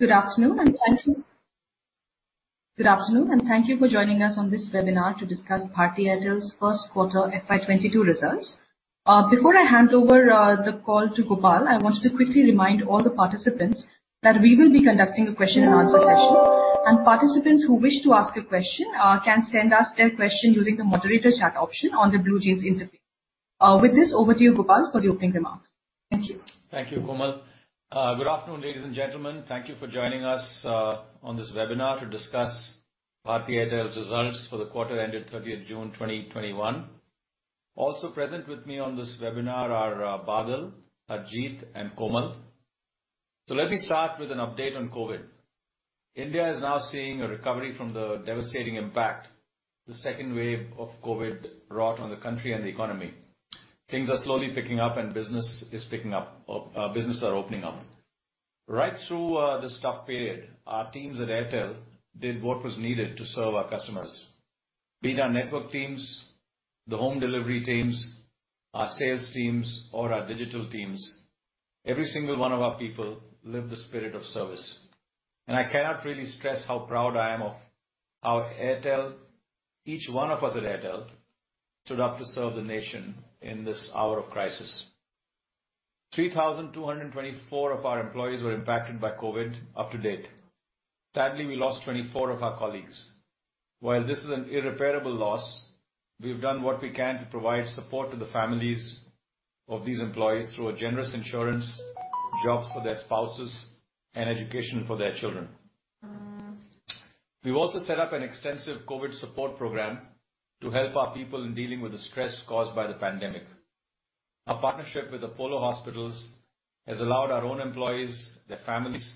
Good afternoon, and thank you for joining us on this webinar to discuss Bharti Airtel's First quarter FY 2022 results. Before I hand over the call to Gopal, I wanted to quickly remind all the participants that we will be conducting a question-and-answer session. Participants who wish to ask a question, can send us their question using the moderator chat option on the BlueJeans interface. With this, over to you, Gopal, for the opening remarks. Thank you. Thank you, Komal. Good afternoon, ladies and gentlemen. Thank you for joining us on this webinar to discuss Bharti Airtel's results for the quarter ending 30th June 2021. Also present with me on this webinar are Badal Bagri, Ajit, and Komal. Let me start with an update on COVID. India is now seeing a recovery from the devastating impact the second wave of COVID wrought on the country and the economy. Things are slowly picking up and business is picking up. Businesses are opening up. Right through this tough period, our teams at Airtel did what was needed to serve our customers. Be it our network teams, the home delivery teams, our sales teams, or our digital teams, every single one of our people lived the spirit of service. I cannot really stress how proud I am of how each one of us at Airtel stood up to serve the nation in this hour of crisis. 3,224 of our employees were impacted by COVID up to date. Sadly, we lost 24 of our colleagues. While this is an irreparable loss, we've done what we can to provide support to the families of these employees through a generous insurance, jobs for their spouses, and education for their children. We've also set up an extensive COVID support program to help our people in dealing with the stress caused by the pandemic. Our partnership with Apollo Hospitals has allowed our own employees, their families,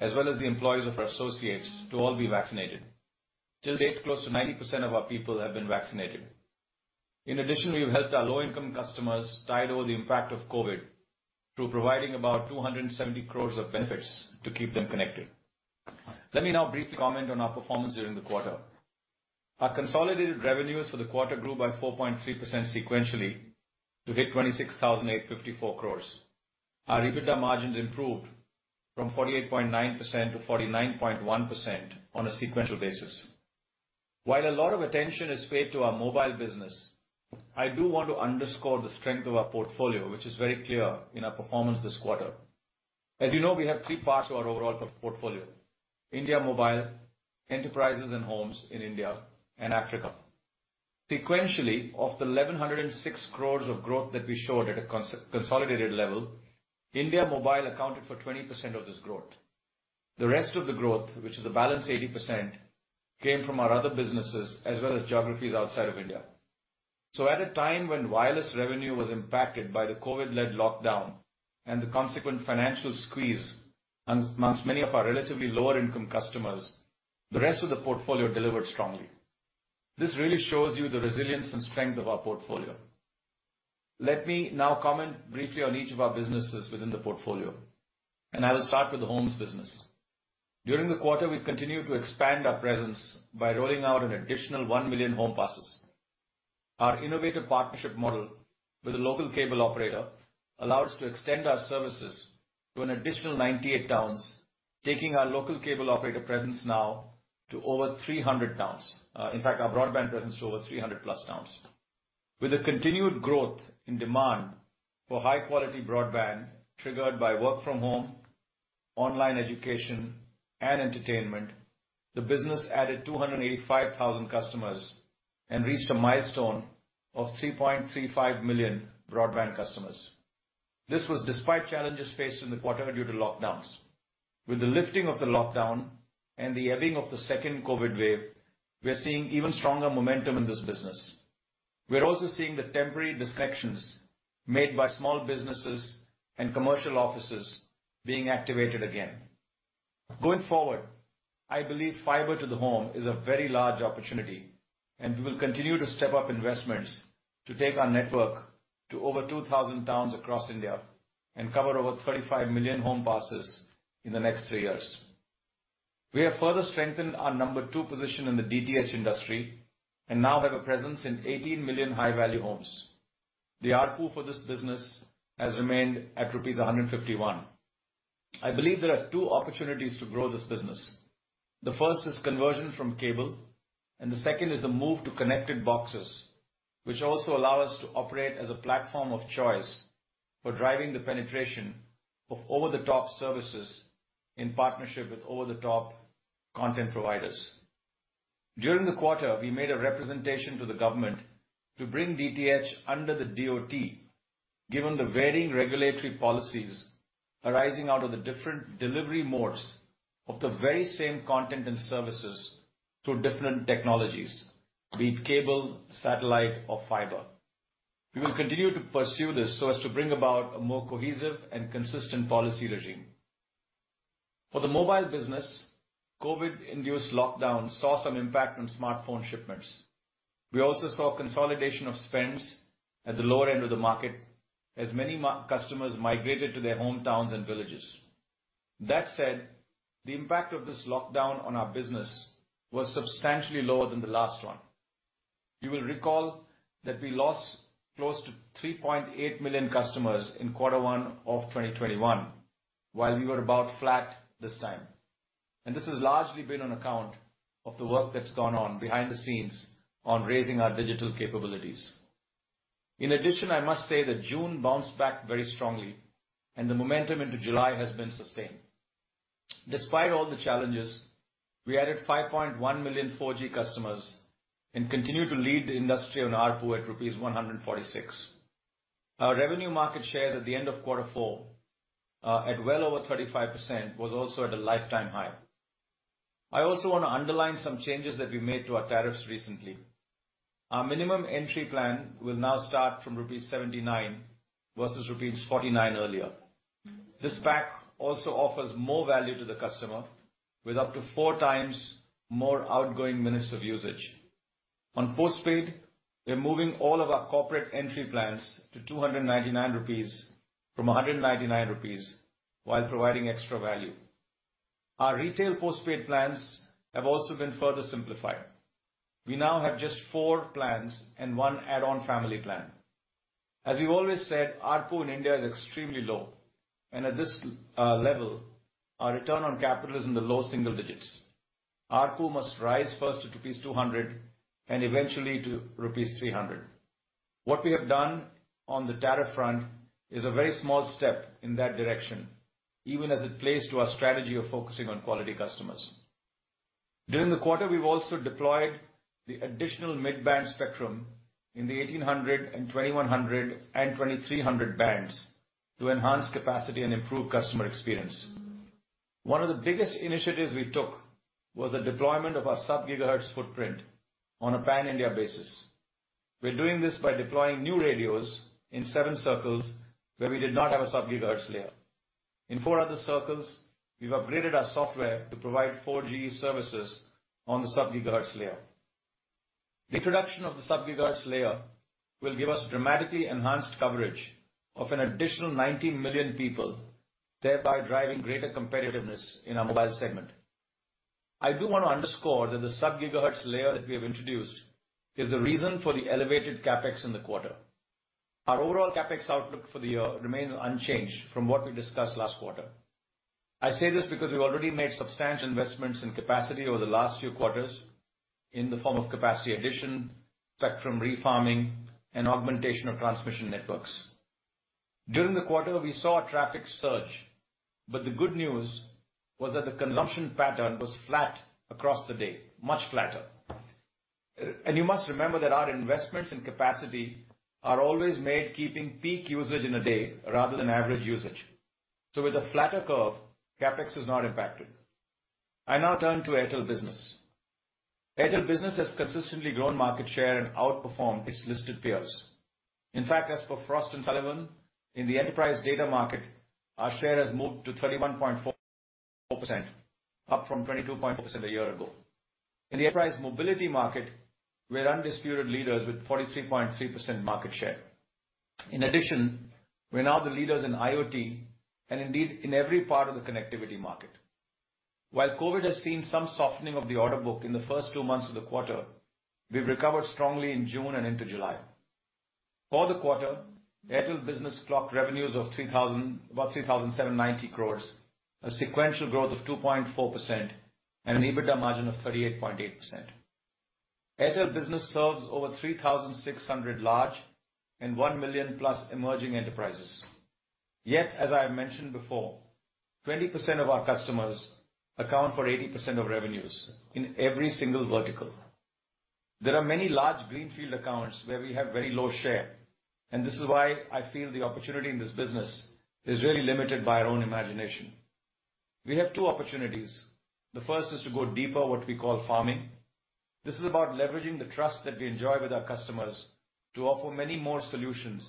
as well as the employees of our associates, to all be vaccinated. To date, close to 90% of our people have been vaccinated. In addition, we've helped our low-income customers tide over the impact of COVID through providing about 270 crores of benefits to keep them connected. Let me now briefly comment on our performance during the quarter. Our consolidated revenues for the quarter grew by 4.3% sequentially to hit 26,854 crores. Our EBITDA margins improved from 48.9% to 49.1% on a sequential basis. While a lot of attention is paid to our mobile business, I do want to underscore the strength of our portfolio, which is very clear in our performance this quarter. As you know, we have three parts to our overall portfolio. India mobile, enterprises and homes in India, and Africa. Sequentially, of the 1,106 crores of growth that we showed at a consolidated level, India mobile accounted for 20% of this growth. The rest of the growth, which is a balance 80%, came from our other businesses as well as geographies outside of India. At a time when wireless revenue was impacted by the COVID-led lockdown and the consequent financial squeeze amongst many of our relatively lower income customers, the rest of the portfolio delivered strongly. This really shows you the resilience and strength of our portfolio. Let me now comment briefly on each of our businesses within the portfolio, and I will start with the homes business. During the quarter, we continued to expand our presence by rolling out an additional 1 million home passes. Our innovative partnership model with a local cable operator allowed us to extend our services to an additional 98 towns, taking our local cable operator presence now to over 300 towns. In fact, our broadband presence to over 300 plus towns. With a continued growth in demand for high-quality broadband triggered by work from home, online education, and entertainment, the business added 285,000 customers and reached a milestone of 3.35 million broadband customers. This was despite challenges faced in the quarter due to lockdowns. With the lifting of the lockdown and the ebbing of the second COVID wave, we're seeing even stronger momentum in this business. We're also seeing the temporary disconnections made by small businesses and commercial offices being activated again. Going forward, I believe fiber to the home is a very large opportunity, and we will continue to step up investments to take our network to over 2,000 towns across India and cover over 35 million home passes in the next three years. We have further strengthened our number two position in the DTH industry and now have a presence in 18 million high-value homes. The ARPU for this business has remained at rupees 151. I believe there are two opportunities to grow this business. The first is conversion from cable, and the second is the move to connected boxes, which also allow us to operate as a platform of choice for driving the penetration of over-the-top services in partnership with over-the-top content providers. During the quarter, we made a representation to the government to bring DTH under the DoT, given the varying regulatory policies arising out of the different delivery modes of the very same content and services through different technologies, be it cable, satellite, or fiber. We will continue to pursue this so as to bring about a more cohesive and consistent policy regime. For the mobile business, COVID-induced lockdowns saw some impact on smartphone shipments. We also saw consolidation of spends at the lower end of the market as many customers migrated to their hometowns and villages. That said, the impact of this lockdown on our business was substantially lower than the last one. You will recall that we lost close to 3.8 million customers in quarter one of 2021, while we were about flat this time. This has largely been on account of the work that's gone on behind the scenes on raising our digital capabilities. In addition, I must say that June bounced back very strongly, and the momentum into July has been sustained. Despite all the challenges, we added 5.1 million 4G customers and continue to lead the industry on ARPU at rupees 146. Our revenue market shares at the end of quarter four, at well over 35%, was also at a lifetime high. I also want to underline some changes that we made to our tariffs recently. Our minimum entry plan will now start from rupees 79 versus rupees 49 earlier. This pack also offers more value to the customer with up to four times more outgoing minutes of usage. On postpaid, we are moving all of our corporate entry plans to 299 rupees from 199 rupees while providing extra value. Our retail postpaid plans have also been further simplified. We now have just four plans and one add-on family plan. As we've always said, ARPU in India is extremely low, and at this level, our return on capital is in the low single digits. ARPU must rise first to rupees 200 and eventually to rupees 300. What we have done on the tariff front is a very small step in that direction, even as it plays to our strategy of focusing on quality customers. During the quarter, we've also deployed the additional mid-band spectrum in the 1800 and 2100 and 2300 bands to enhance capacity and improve customer experience. One of the biggest initiatives we took was the deployment of our sub-gigahertz footprint on a pan-India basis. We are doing this by deploying new radios in seven circles where we did not have a sub-gigahertz layer. In four other circles, we've upgraded our software to provide 4G services on the sub-gigahertz layer. The introduction of the sub-gigahertz layer will give us dramatically enhanced coverage of an additional 19 million people, thereby driving greater competitiveness in our mobile segment. I do want to underscore that the sub-gigahertz layer that we have introduced is the reason for the elevated CapEx in the quarter. Our overall CapEx outlook for the year remains unchanged from what we discussed last quarter. I say this because we’ve already made substantial investments in capacity over the last few quarters in the form of capacity addition, spectrum refarming, and augmentation of transmission networks. During the quarter, we saw a traffic surge, but the good news was that the consumption pattern was flat across the day, much flatter. You must remember that our investments in capacity are always made keeping peak usage in a day rather than average usage. With a flatter curve, CapEx is not impacted. I now turn to Airtel Business. Airtel Business has consistently grown market share and outperformed its listed peers. In fact, as per Frost & Sullivan, in the enterprise data market, our share has moved to 31.4% up from 22.4% a year ago. In the enterprise mobility market, we are undisputed leaders with 43.3% market share. In addition, we are now the leaders in IoT and indeed in every part of the connectivity market. While COVID has seen some softening of the order book in the first two months of the quarter, we've recovered strongly in June and into July. For the quarter, Airtel Business clocked revenues of about 3,790 crore, a sequential growth of 2.4%, and an EBITDA margin of 38.8%. Airtel Business serves over 3,600 large and 1 million plus emerging enterprises. Yet, as I have mentioned before, 20% of our customers account for 80% of revenues in every single vertical. There are many large greenfield accounts where we have very low share, and this is why I feel the opportunity in this business is really limited by our own imagination. We have two opportunities. The first is to go deeper, what we call farming. This is about leveraging the trust that we enjoy with our customers to offer many more solutions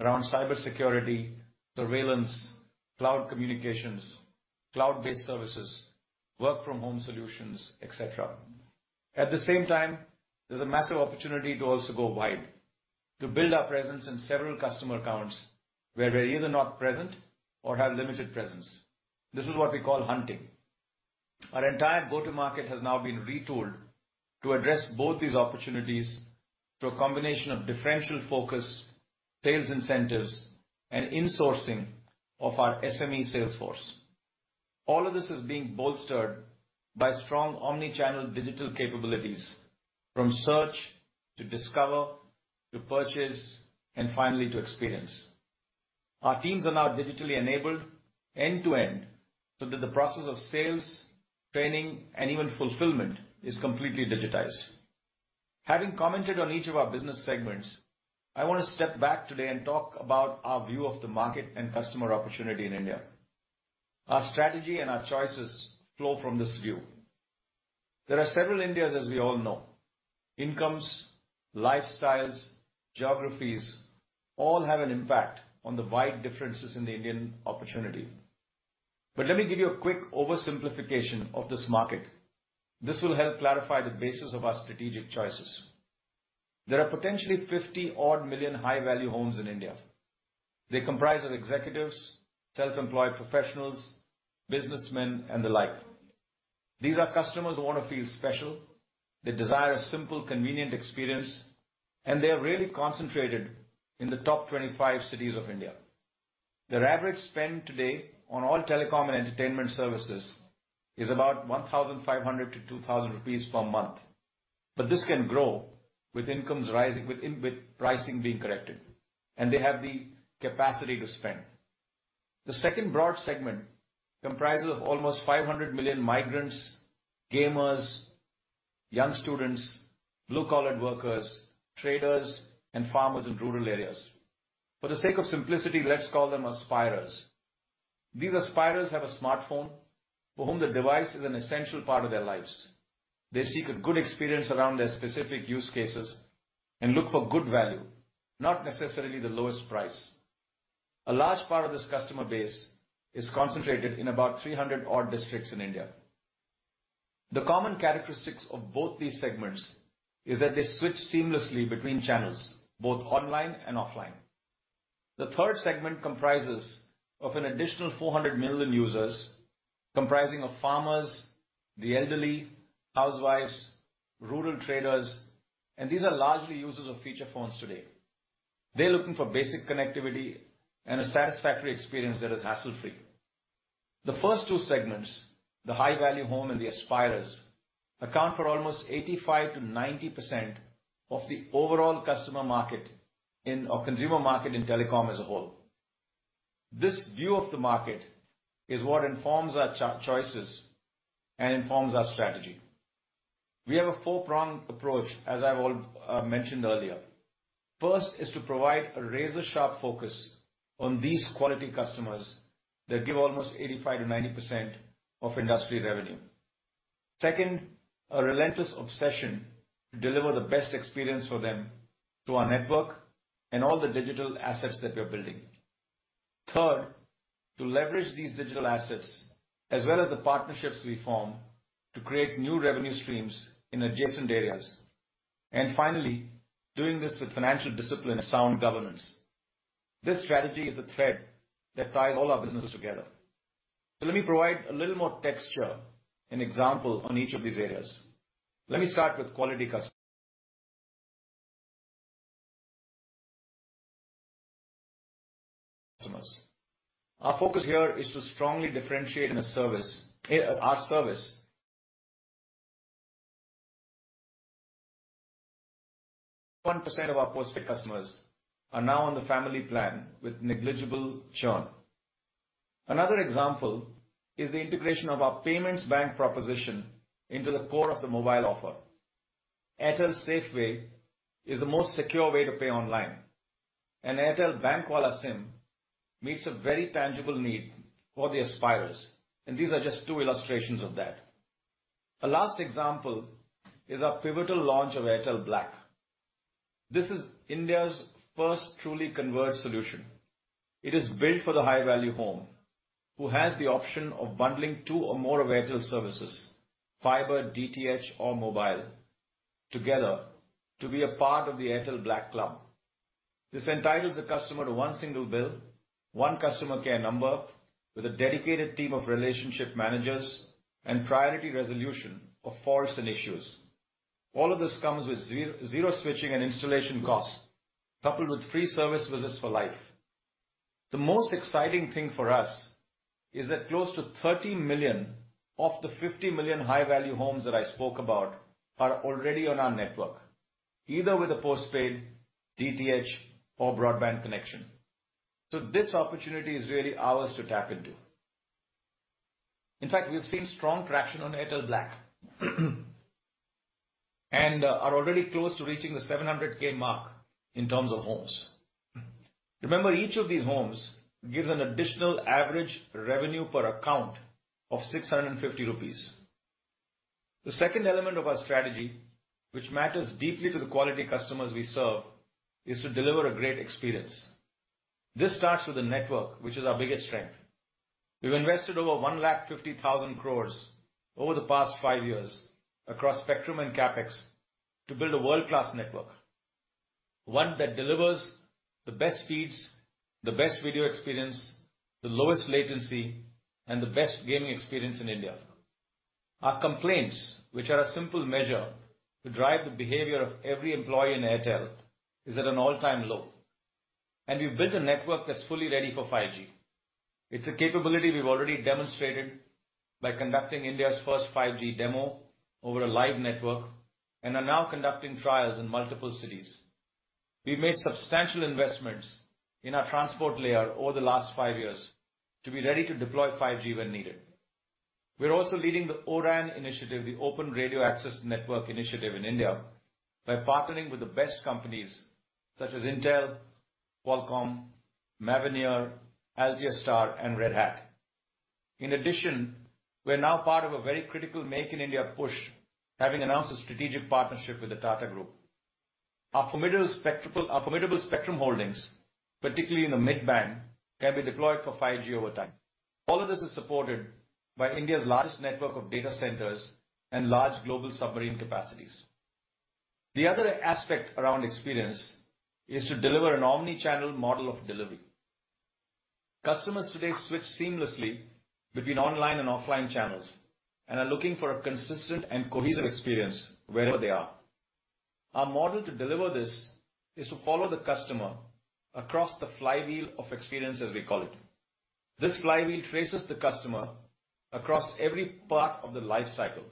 around cybersecurity, surveillance, cloud communications, cloud-based services, work from home solutions, et cetera. At the same time, there's a massive opportunity to also go wide, to build our presence in several customer accounts where we're either not present or have limited presence. This is what we call hunting. Our entire go-to market has now been retooled to address both these opportunities through a combination of differential focus, sales incentives, and insourcing of our SME sales force. All of this is being bolstered by strong omni-channel digital capabilities, from search to discover, to purchase, and finally to experience. Our teams are now digitally enabled end-to-end, so that the process of sales, training, and even fulfillment is completely digitized. Having commented on each of our business segments, I want to step back today and talk about our view of the market and customer opportunity in India. Our strategy and our choices flow from this view. There are several Indias, as we all know. Incomes, lifestyles, geographies, all have an impact on the wide differences in the Indian opportunity. Let me give you a quick oversimplification of this market. This will help clarify the basis of our strategic choices. There are potentially 50 odd million high-value homes in India. They comprise of executives, self-employed professionals, businessmen, and the like. These are customers who want to feel special. They desire a simple, convenient experience, and they are really concentrated in the top 25 cities of India. Their average spend today on all telecom and entertainment services is about 1,500-2,000 rupees per month. This can grow with pricing being corrected, and they have the capacity to spend. The second broad segment comprises of almost 500 million migrants, gamers, young students, blue-collar workers, traders, and farmers in rural areas. For the sake of simplicity, let's call them Aspirers. These Aspirers have a smartphone for whom the device is an essential part of their lives. They seek a good experience around their specific use cases and look for good value, not necessarily the lowest price. A large part of this customer base is concentrated in about 300 odd districts in India. The common characteristics of both these segments is that they switch seamlessly between channels, both online and offline. The third segment comprises of an additional 400 million users, comprising of farmers, the elderly, housewives, rural traders. These are largely users of feature phones today. They're looking for basic connectivity and a satisfactory experience that is hassle-free. The first two segments, the high-value home and the Aspirers, account for almost 85%-90% of the overall customer market or consumer market in telecom as a whole. This view of the market is what informs our choices and informs our strategy. We have a four-pronged approach, as I mentioned earlier. First is to provide a razor-sharp focus on these quality customers that give almost 85%-90% of industry revenue. Second, a relentless obsession to deliver the best experience for them through our network and all the digital assets that we are building. Third, to leverage these digital assets as well as the partnerships we form to create new revenue streams in adjacent areas. Finally, doing this with financial discipline and sound governance. This strategy is the thread that ties all our businesses together. Let me provide a little more texture and example on each of these areas. Let me start with quality customers. Our focus here is to strongly differentiate our service. 1% of our postpaid customers are now on the family plan with negligible churn. Another example is the integration of our Payments Bank proposition into the core of the mobile offer. Airtel Safe Pay is the most secure way to pay online. An Airtel Bank Wala SIM meets a very tangible need for the Aspirers. These are just two illustrations of that. A last example is our pivotal launch of Airtel Black. This is India's first truly converged solution. It is built for the high-value home, who has the option of bundling two or more of Airtel services, fiber, DTH, or mobile together to be a part of the Airtel Black Club. This entitles a customer to one single bill, one customer care number with a dedicated team of relationship managers, and priority resolution of faults and issues. All of this comes with zero switching and installation costs, coupled with free service visits for life. The most exciting thing for us is that close to 30 million of the 50 million high-value homes that I spoke about are already on our network, either with a postpaid, DTH, or broadband connection. This opportunity is really ours to tap into. In fact, we've seen strong traction on Airtel Black. are already close to reaching the 700K mark in terms of homes. Remember, each of these homes gives an additional average revenue per account of 650 rupees. The second element of our strategy, which matters deeply to the quality customers we serve, is to deliver a great experience. This starts with the network, which is our biggest strength. We've invested over 150,000 crores over the past five years across spectrum and CapEx to build a world-class network, one that delivers the best speeds, the best video experience, the lowest latency, and the best gaming experience in India. Our complaints, which are a simple measure to drive the behavior of every employee in Airtel, is at an all-time low. we've built a network that's fully ready for 5G. It's a capability we've already demonstrated by conducting India's first 5G demo over a live network and are now conducting trials in multiple cities. We've made substantial investments in our transport layer over the last five years to be ready to deploy 5G when needed. We're also leading the ORAN initiative, the Open Radio Access Network Initiative in India, by partnering with the best companies such as Intel, Qualcomm, Mavenir, Altiostar, and Red Hat. In addition, we are now part of a very critical Make in India push, having announced a strategic partnership with the Tata Group. Our formidable spectrum holdings, particularly in the mid-band, can be deployed for 5G over time. All of this is supported by India's largest network of data centers and large global submarine capacities. The other aspect around experience is to deliver an omni-channel model of delivery. Customers today switch seamlessly between online and offline channels and are looking for a consistent and cohesive experience wherever they are. Our model to deliver this is to follow the customer across the flywheel of experience, as we call it. This flywheel traces the customer across every part of the life cycle: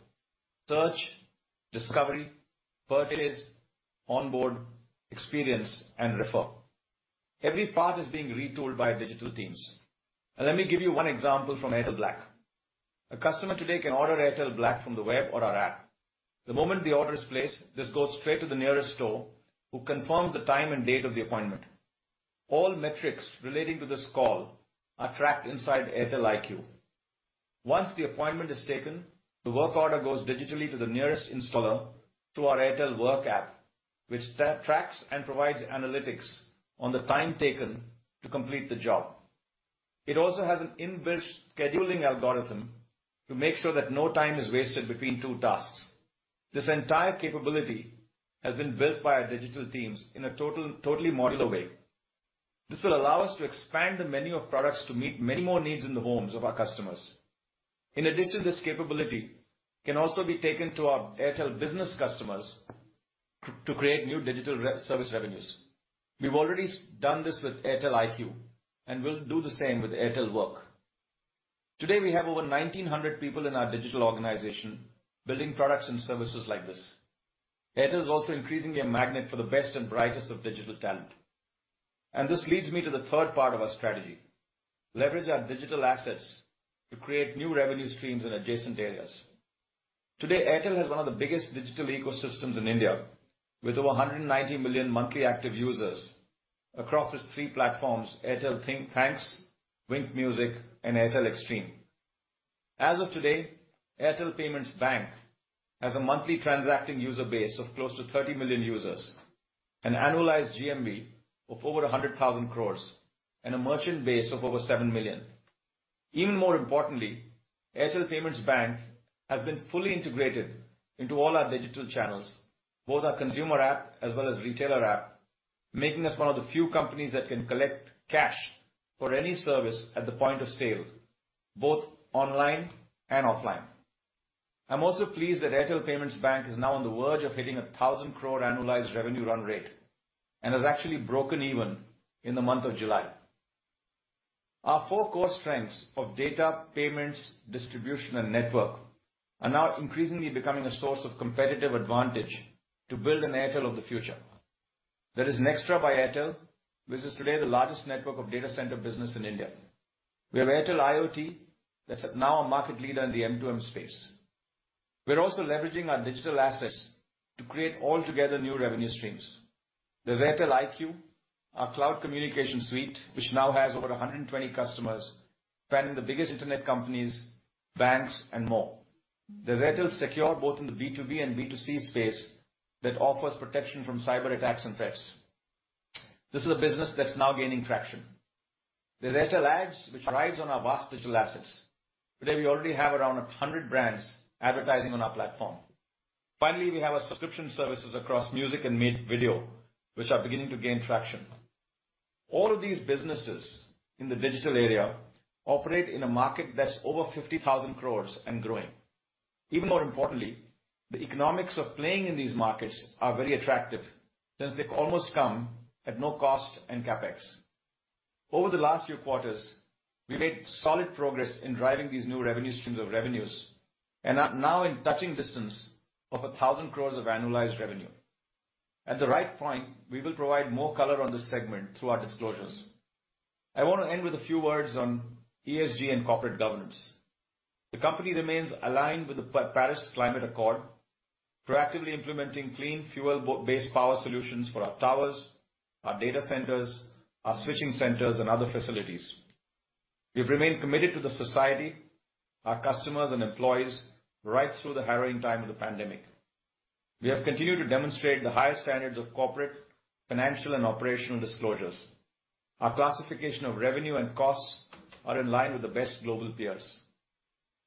search, discovery, purchase, onboard, experience, and refer. Every part is being retooled by our digital teams. Let me give you one example from Airtel Black. A customer today can order Airtel Black from the web or our app. The moment the order is placed, this goes straight to the nearest store, who confirms the time and date of the appointment. All metrics relating to this call are tracked inside Airtel IQ. Once the appointment is taken, the work order goes digitally to the nearest installer through our Airtel Work app, which tracks and provides analytics on the time taken to complete the job. It also has an inbuilt scheduling algorithm to make sure that no time is wasted between two tasks. This entire capability has been built by our digital teams in a totally modular way. This will allow us to expand the menu of products to meet many more needs in the homes of our customers. In addition, this capability can also be taken to our Airtel Business customers to create new digital service revenues. We've already done this with Airtel IQ, and we'll do the same with Airtel Work. Today, we have over 1,900 people in our digital organization building products and services like this. Airtel is also increasingly a magnet for the best and brightest of digital talent. This leads me to the third part of our strategy, leverage our digital assets to create new revenue streams in adjacent areas. Today, Airtel has one of the biggest digital ecosystems in India, with over 190 million monthly active users across its three platforms, Airtel Thanks, Wynk Music, and Airtel Xstream. As of today, Airtel Payments Bank has a monthly transacting user base of close to 30 million users, an annualized GMV of over 100,000 crores, and a merchant base of over 7 million. Even more importantly, Airtel Payments Bank has been fully integrated into all our digital channels, both our consumer app as well as retailer app, making us one of the few companies that can collect cash for any service at the point of sale, both online and offline. I'm also pleased that Airtel Payments Bank is now on the verge of hitting 1,000 crore annualized revenue run rate and has actually broken even in the month of July. Our four core strengths of data, payments, distribution, and network are now increasingly becoming a source of competitive advantage to build an Airtel of the future. There is Nxtra by Airtel, which is today the largest network of data center business in India. We have Airtel IoT, that's now a market leader in the M2M space. We're also leveraging our digital assets to create altogether new revenue streams. There's Airtel IQ, our cloud communication suite, which now has over 120 customers spanning the biggest internet companies, banks, and more. There's Airtel Secure, both in the B2B and B2C space, that offers protection from cyber attacks and threats. This is a business that's now gaining traction. There's Airtel Ads, which rides on our vast digital assets. Today, we already have around 100 brands advertising on our platform. Finally, we have our subscription services across music and video, which are beginning to gain traction. All of these businesses in the digital area operate in a market that's over 50,000 crores and growing. Even more importantly, the economics of playing in these markets are very attractive, since they almost come at no cost and CapEx. Over the last few quarters, we made solid progress in driving these new revenue streams of revenues and are now in touching distance of 1,000 crores of annualized revenue. At the right point, we will provide more color on this segment through our disclosures. I want to end with a few words on ESG and corporate governance. The company remains aligned with the Paris Agreement, proactively implementing clean fuel-based power solutions for our towers, our data centers, our switching centers, and other facilities. We've remained committed to the society, our customers, and employees right through the harrowing time of the pandemic. We have continued to demonstrate the highest standards of corporate, financial, and operational disclosures. Our classification of revenue and costs are in line with the best global peers.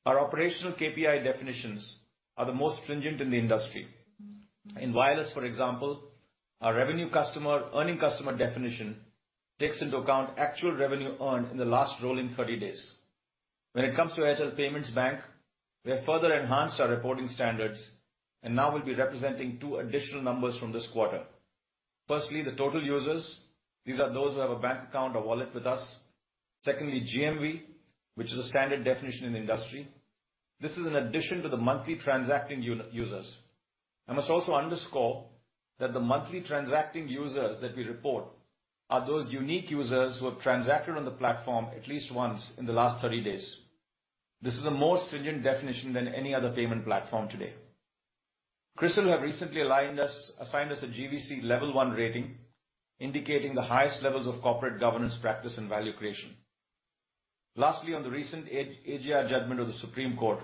Our operational KPI definitions are the most stringent in the industry. In wireless, for example, our revenue customer, earning customer definition takes into account actual revenue earned in the last rolling 30 days. When it comes to Airtel Payments Bank, we have further enhanced our reporting standards and now will be representing two additional numbers from this quarter. Firstly, the total users. These are those who have a bank account or wallet with us. GMV, which is a standard definition in the industry. This is in addition to the monthly transacting users. I must also underscore that the monthly transacting users that we report are those unique users who have transacted on the platform at least once in the last 30 days. This is a more stringent definition than any other payment platform today. CRISIL have recently assigned us a GVC Level 1 rating, indicating the highest levels of corporate governance practice and value creation. On the recent AGR judgment of the Supreme Court,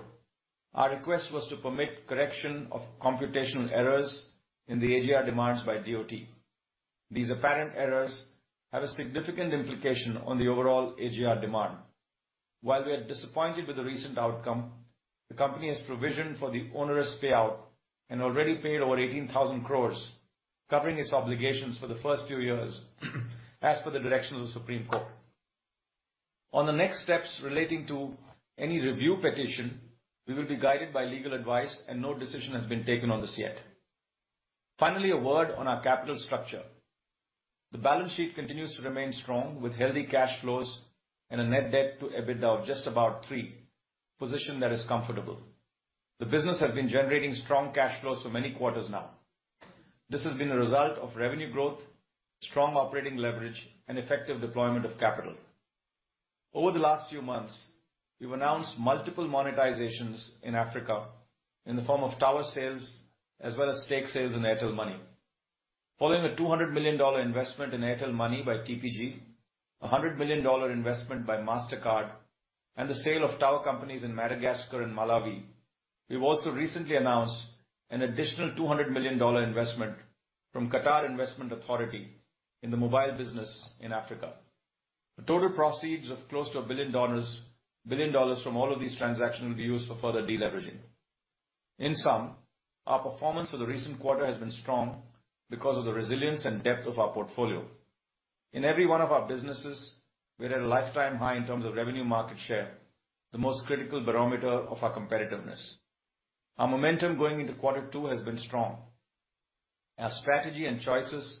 our request was to permit correction of computational errors in the AGR demands by DoT. These apparent errors have a significant implication on the overall AGR demand. While we are disappointed with the recent outcome, the company has provisioned for the onerous payout and already paid over 18,000 crores, covering its obligations for the first few years as per the direction of the Supreme Court. On the next steps relating to any review petition, we will be guided by legal advice and no decision has been taken on this yet. Finally, a word on our capital structure. The balance sheet continues to remain strong, with healthy cash flows and a net debt to EBITDA of just about 3x, a position that is comfortable. The business has been generating strong cash flows for many quarters now. This has been a result of revenue growth, strong operating leverage, and effective deployment of capital. Over the last few months, we've announced multiple monetizations in Africa in the form of tower sales as well as stake sales in Airtel Money. Following a $200 million investment in Airtel Money by TPG, $100 million investment by Mastercard, and the sale of tower companies in Madagascar and Malawi, we've also recently announced an additional $200 million investment from Qatar Investment Authority in the mobile business in Africa. The total proceeds of close to $1 billion from all of these transactions will be used for further de-leveraging. In sum, our performance for the recent quarter has been strong because of the resilience and depth of our portfolio. In every one of our businesses, we are at a lifetime high in terms of revenue market share, the most critical barometer of our competitiveness. Our momentum going into quarter two has been strong. Our strategy and choices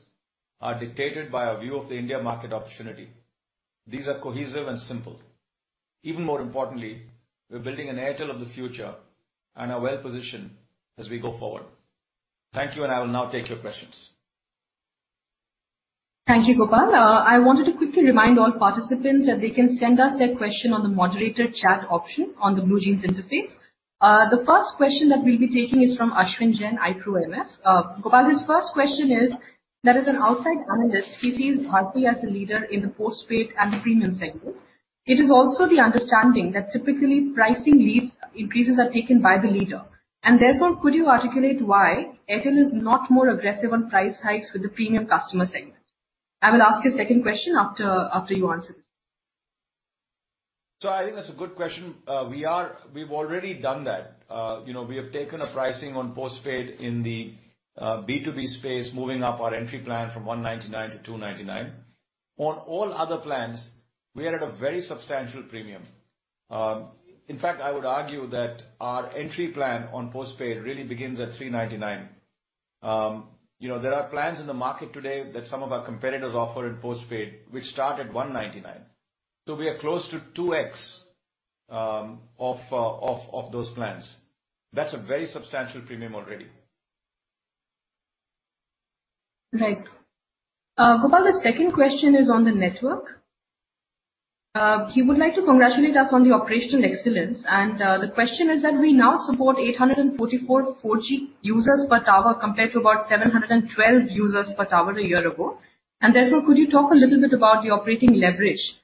are dictated by our view of the India market opportunity. These are cohesive and simple. Even more importantly, we're building an Airtel of the future and are well-positioned as we go forward. Thank you, and I will now take your questions. Thank you, Gopal. I wanted to quickly remind all participants that they can send us their question on the moderated chat option on the BlueJeans interface. The first question that we'll be taking is from Ashwin Jain, ICICI MF. Gopal, his first question is, that as an outside analyst, he sees Bharti as the leader in the postpaid and the premium segment. It is also the understanding that typically pricing increases are taken by the leader, and therefore, could you articulate why Airtel is not more aggressive on price hikes with the premium customer segment? I will ask a second question after you answer this. I think that's a good question. We've already done that. We have taken a pricing on postpaid in the B2B space, moving up our entry plan from 199 to 299. On all other plans, we are at a very substantial premium. In fact, I would argue that our entry plan on postpaid really begins at 399. There are plans in the market today that some of our competitors offer in postpaid, which start at 199. We are close to 2X of those plans. That's a very substantial premium already. Right. Gopal, the second question is on the network. He would like to congratulate us on the operational excellence, and the question is that we now support 844 4G users per tower, compared to about 712 users per tower a year ago. Therefore, could you talk a little bit about the operating leverage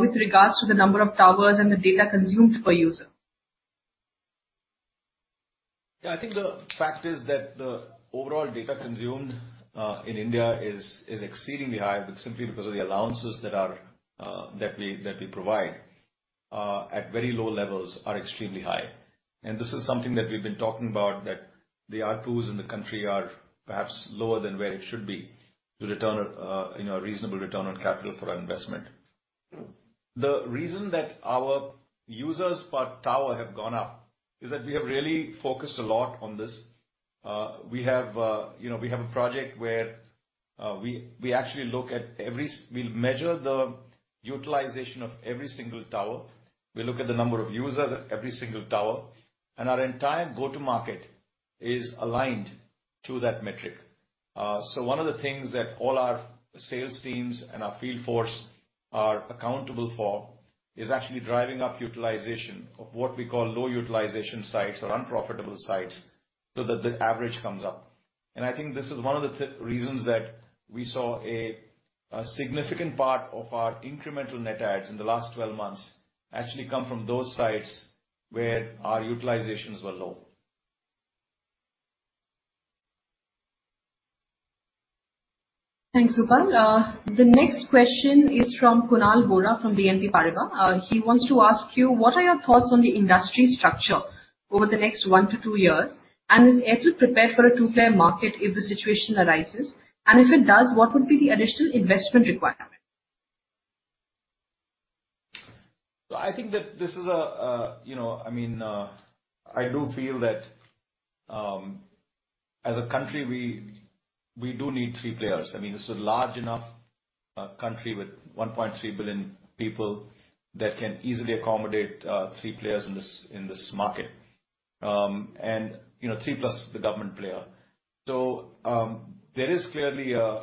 with regards to the number of towers and the data consumed per user? Yeah. I think the fact is that the overall data consumed in India is exceedingly high, but simply because of the allowances that we provide at very low levels are extremely high. This is something that we've been talking about, that the ARPUs in the country are perhaps lower than where it should be to return a reasonable return on capital for our investment. The reason that our users per tower have gone up is that we have really focused a lot on this. We have a project where we'll measure the utilization of every single tower. We look at the number of users at every single tower, and our entire go-to market is aligned to that metric. One of the things that all our sales teams and our field force are accountable for is actually driving up utilization of what we call low utilization sites or unprofitable sites, so that the average comes up. I think this is one of the reasons that we saw a significant part of our incremental net adds in the last 12 months actually come from those sites where our utilizations were low. Thanks, Gopal. The next question is from Kunal Vora, from BNP Paribas. He wants to ask you, what are your thoughts on the industry structure over the next one to two years? Is Airtel prepared for a two-player market if the situation arises? If it does, what would be the additional investment requirement? I think that this is a I do feel that as a country, we do need three players. This is a large enough country with 1.3 billion people that can easily accommodate three players in this market, and three, plus the government player. There is clearly a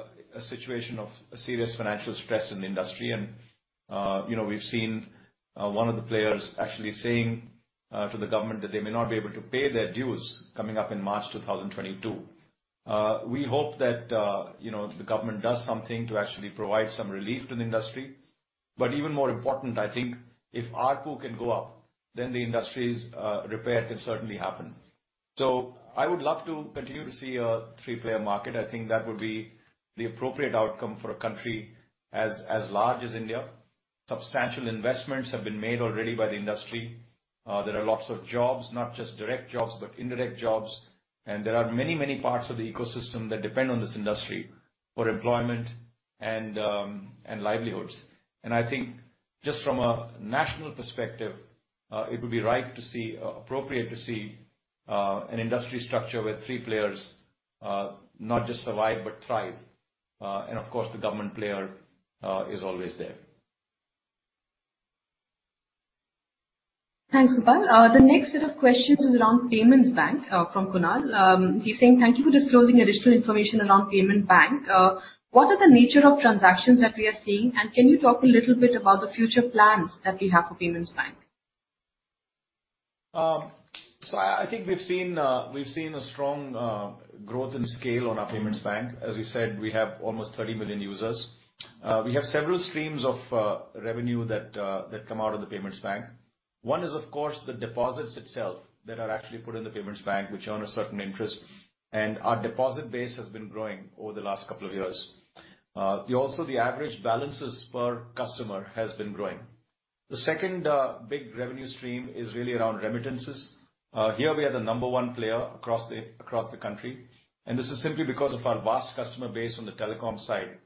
situation of serious financial stress in the industry, and we've seen one of the players actually saying to the government that they may not be able to pay their dues coming up in March 2022. We hope that the government does something to actually provide some relief to the industry. Even more important, I think, if ARPU can go up, then the industry's repair can certainly happen. I would love to continue to see a three-player market. I think that would be the appropriate outcome for a country as large as India. Substantial investments have been made already by the industry. There are lots of jobs, not just direct jobs, but indirect jobs. There are many parts of the ecosystem that depend on this industry for employment and livelihoods. I think just from a national perspective, it would be right to see or appropriate to see an industry structure where three players not just survive, but thrive. Of course, the government player is always there. Thanks, Gopal. The next set of questions is around Payments Bank from Kunal. He is saying thank you for disclosing additional information around Payments Bank. What are the nature of transactions that we are seeing? Can you talk a little bit about the future plans that we have for Payments Bank? I think we've seen a strong growth in scale on our Payments Bank. As we said, we have almost 30 million users. We have several streams of revenue that come out of the Payments Bank. One is, of course, the deposits itself that are actually put in the Payments Bank, which earn a certain interest. Our deposit base has been growing over the last couple of years. Also, the average balances per customer has been growing. The second big revenue stream is really around remittances. Here we are the number one player across the country, and this is simply because of our vast customer base on the telecom side.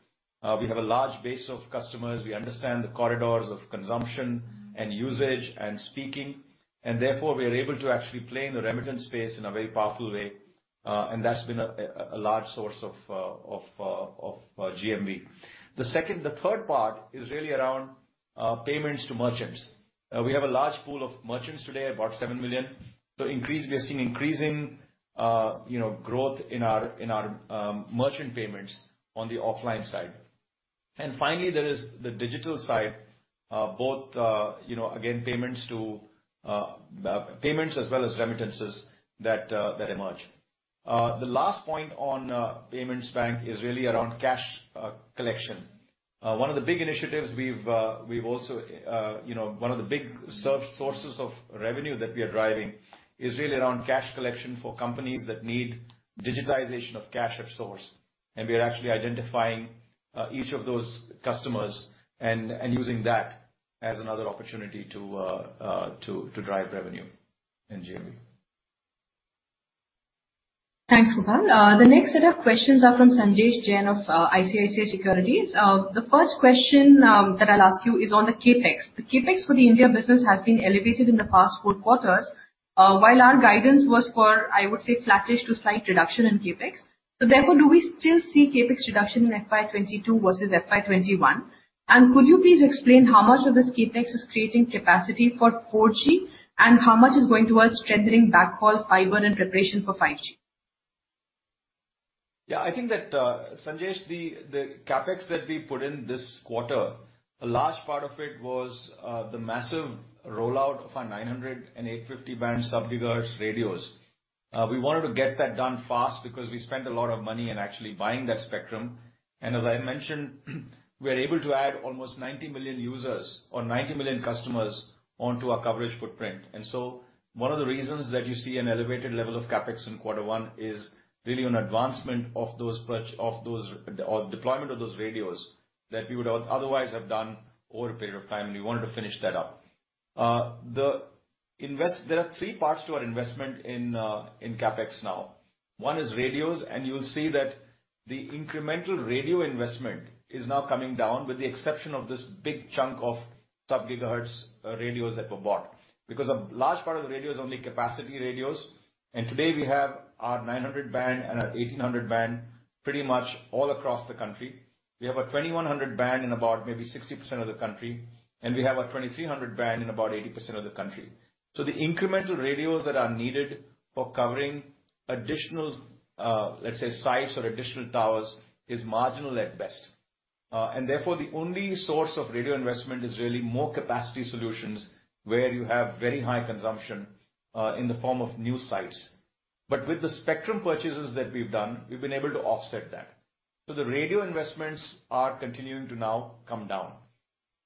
We have a large base of customers. We understand the corridors of consumption and usage and speaking, and therefore we are able to actually play in the remittance space in a very powerful way. That's been a large source of GMV. The third part is really around payments to merchants. We have a large pool of merchants today, about 7 million. We are seeing increasing growth in our merchant payments on the offline side. Finally, there is the digital side, both again, payments as well as remittances that emerge. The last point on Payments Bank is really around cash collection. One of the big sources of revenue that we are driving is really around cash collection for companies that need digitization of cash at source. We are actually identifying each of those customers and using that as another opportunity to drive revenue and GMV. Thanks, Gopal. The next set of questions are from Sanjesh Jain of ICICI Securities. The first question that I'll ask you is on the CapEx. The CapEx for the India business has been elevated in the past four quarters, while our guidance was for, I would say, flattish to slight reduction in CapEx. Therefore, do we still see CapEx reduction in FY 2022 versus FY 2021? Could you please explain how much of this CapEx is creating capacity for 4G and how much is going towards strengthening backhaul fiber in preparation for 5G? I think that, Sanjesh Jain, the CapEx that we put in this quarter, a large part of it was the massive rollout of our 900 and 850 band sub-gigahertz radios. We wanted to get that done fast because we spent a lot of money in actually buying that spectrum. As I mentioned, we are able to add almost 90 million users or 90 million customers onto our coverage footprint. One of the reasons that you see an elevated level of CapEx in quarter one is really an advancement of those or deployment of those radios that we would otherwise have done over a period of time, and we wanted to finish that up. There are three parts to our investment in CapEx now. One is radios, you will see that the incremental radio investment is now coming down, with the exception of this big chunk of sub-gigahertz radios that were bought because a large part of the radio is only capacity radios. Today we have our 900 band and our 1800 band pretty much all across the country. We have a 2100 band in about maybe 60% of the country, and we have a 2300 band in about 80% of the country. The incremental radios that are needed for covering additional, let's say, sites or additional towers is marginal at best. Therefore, the only source of radio investment is really more capacity solutions, where you have very high consumption, in the form of new sites. With the spectrum purchases that we've done, we've been able to offset that. The radio investments are continuing to now come down.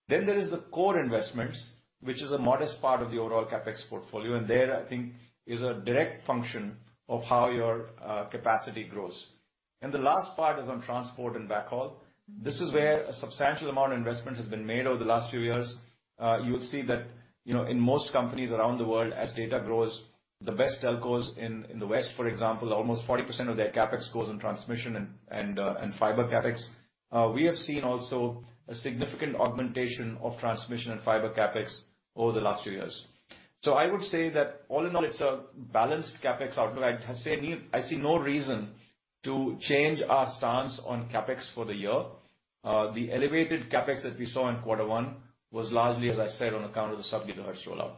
There is the core investments, which is a modest part of the overall CapEx portfolio. There, I think, is a direct function of how your capacity grows. The last part is on transport and backhaul. This is where a substantial amount of investment has been made over the last few years. You would see that, in most companies around the world, as data grows, the best telcos in the West, for example, almost 40% of their CapEx goes in transmission and fiber CapEx. We have seen also a significant augmentation of transmission and fiber CapEx over the last few years. I would say that all in all, it's a balanced CapEx outlook. I see no reason to change our stance on CapEx for the year. The elevated CapEx that we saw in quarter one was largely, as I said, on account of the sub-gigahertz rollout.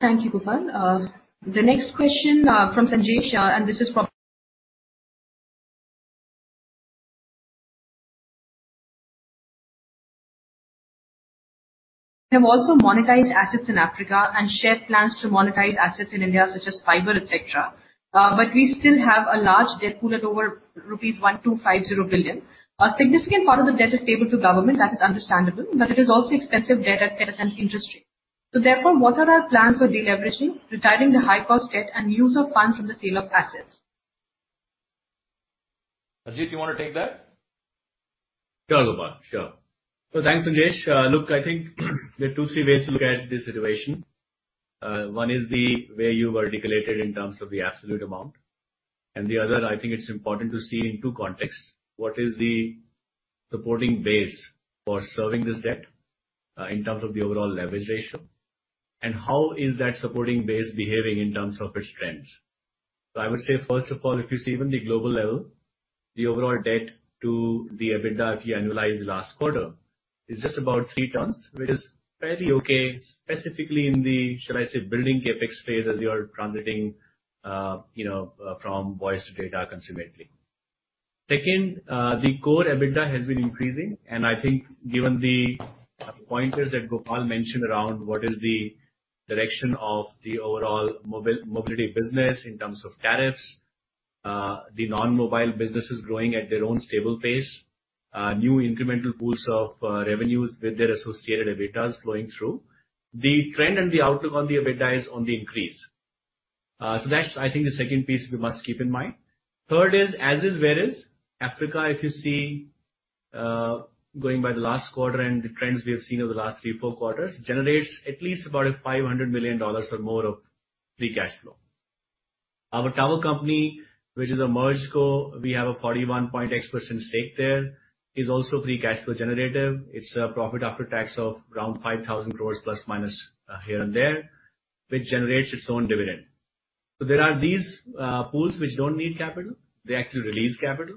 Thank you, Gopal. The next question from Sanjesh Jain. You have also monetized assets in Africa and shared plans to monetize assets in India, such as fiber, et cetera. We still have a large debt pool at over rupees 1,250 billion. A significant part of the debt is payable to government, that is understandable, but it is also expensive debt as an industry. Therefore, what are our plans for deleveraging, retiring the high cost debt, and use of funds from the sale of assets? Ajit, you want to take that? Sure, Gopal. Sure. Thanks, Sanjesh. Look, I think there are two, three ways to look at this situation. One is the way you articulated in terms of the absolute amount, and the other, I think it's important to see in two contexts. What is the supporting base for serving this debt, in terms of the overall leverage ratio? And how is that supporting base behaving in terms of its trends? I would say, first of all, if you see even the global level, the overall debt to the EBITDA, if you annualize the last quarter, is just about three times, which is fairly okay, specifically in the, shall I say, building CapEx phase as you are transiting from voice to data consummately. Second, the core EBITDA has been increasing, and I think given the pointers that Gopal mentioned around what is the direction of the overall mobility business in terms of tariffs. The non-mobile business is growing at their own stable pace. New incremental pools of revenues with their associated EBITDA is flowing through. The trend and the outlook on the EBITDA is on the increase. That's, I think, the second piece we must keep in mind. Third is, as is, where is. Africa, if you see, going by the last quarter and the trends we have seen over the last three, four quarters, generates at least about $500 million or more of free cash flow. Our tower company, which is a merged co, we have a 41.X% stake there, is also free cash flow generative. It's a profit after tax of around 5,000 crores plus or minus here and there, which generates its own dividend. There are these pools which don't need capital. They actually release capital.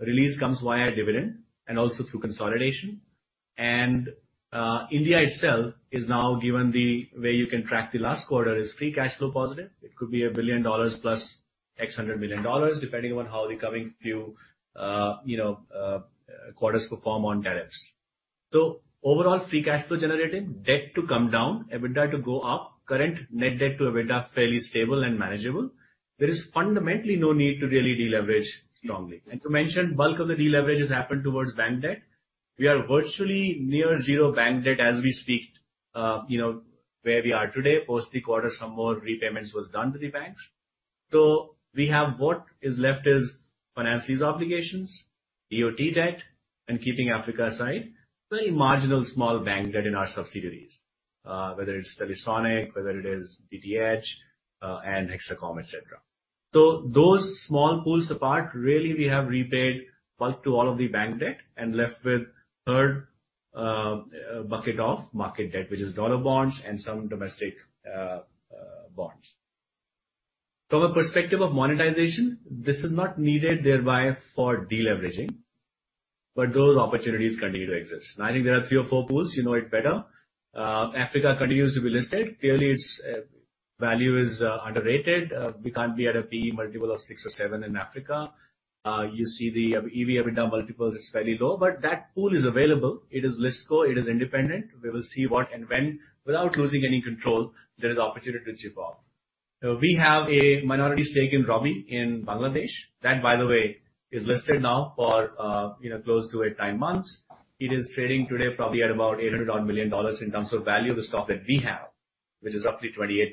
Release comes via dividend and also through consolidation. India itself is now, given the way you can track the last quarter, is free cash flow positive. It could be $1 billion plus X hundred million dollars, depending on how the coming few quarters perform on tariffs. Overall, free cash flow generative, debt to come down, EBITDA to go up, current net debt to EBITDA fairly stable and manageable. There is fundamentally no need to really deleverage strongly. To mention, bulk of the deleverage has happened towards bank debt. We are virtually near zero bank debt as we speak, where we are today. Post the quarter, some more repayments was done to the banks. What is left is finance lease obligations, DoT debt, and keeping Africa aside, very marginal small bank debt in our subsidiaries, whether it's Telesonic, whether it is DTH, and Hexacom, et cetera. Those small pools apart, really, we have repaid bulk to all of the bank debt and left with third bucket of market debt, which is dollar bonds and some domestic bonds. From a perspective of monetization, this is not needed thereby for deleveraging, those opportunities continue to exist. I think there are three or four pools. You know it better. Africa continues to be listed. Clearly, its value is underrated. We can't be at a P/E multiple of six or seven in Africa. You see the EV/EBITDA multiples, it's fairly low, but that pool is available. It is list co, it is independent. We will see what and when, without losing any control, there is opportunity to chip off. We have a minority stake in Robi in Bangladesh. That, by the way, is listed now for close to eight, nine months. It is trading today probably at about $800 odd million in terms of value of the stock that we have, which is roughly 28%.